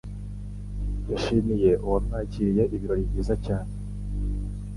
Yashimiye uwamwakiriye ibirori byiza cyane.